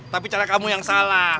tapi cara kamu yang salah